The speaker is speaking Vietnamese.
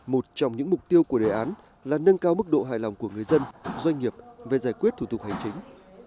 một trong những mục tiêu của đề án là nâng cao mức độ hài lòng của người dân doanh nghiệp về giải quyết thủ tục hành chính